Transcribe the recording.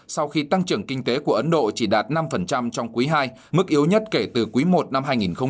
sau khi tăng trưởng kinh tế của ấn độ chỉ đạt năm trong quý ii mức yếu nhất kể từ quý i năm hai nghìn một mươi tám